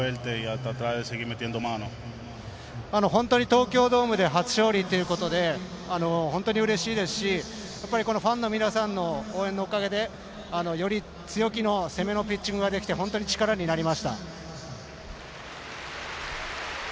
東京ドームで初勝利ということで本当にうれしいですしファンの皆さんの応援のおかげでより強気の攻めのピッチングができて本当に力になりました。